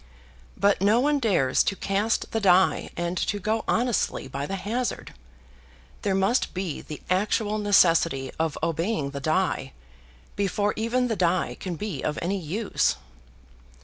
But no one dares to cast the die, and to go honestly by the hazard. There must be the actual necessity of obeying the die, before even the die can be of any use.